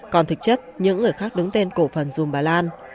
còn thực chất những người khác đứng tên cổ phần dùm bà lan